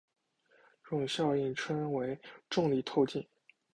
这种效应称为重力透镜。